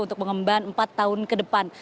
untuk mengemban empat tahun ke depan